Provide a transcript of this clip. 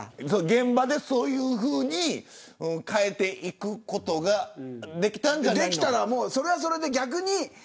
現場で、そういうふうに変えていくことができたら、それはそれで逆に。